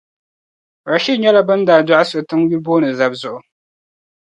Rashid nyɛla bɛ ni daa dɔɣi so tiŋyuli booni Zabzugu.